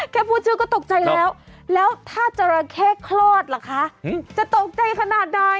พูดชื่อก็ตกใจแล้วแล้วถ้าจราเข้คลอดล่ะคะจะตกใจขนาดใด